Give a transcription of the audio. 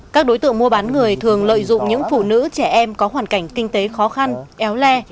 các đối tượng mua bán người thường lợi dụng những phụ nữ trẻ em có hoàn cảnh kinh tế khó khăn éo le